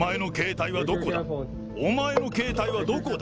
お前の携帯はどこだ。